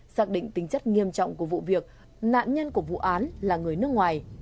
xác định tính chất nghiêm trọng của vụ việc nạn nhân của vụ án là người nước ngoài